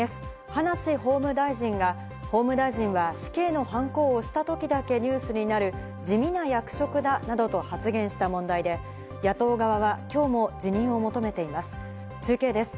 葉梨法務大臣が法務大臣は死刑のはんこを押したときだけニュースになる、地味な役職だなどと発言した問題で、野党側は今日も辞任を求めています。